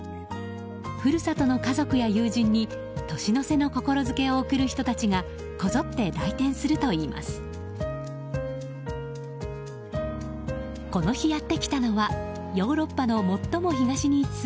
故郷の家族や友人に年の瀬の心づけを送る人たちがこぞって来店するといいます。